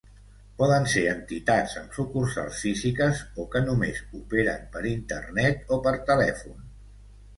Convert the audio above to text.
Poden ser entitats amb sucursals físiques o que només operen per Internet o per telèfon.